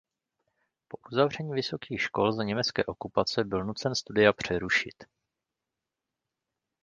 Po uzavření vysokých škol za německé okupace byl nucen studia přerušit.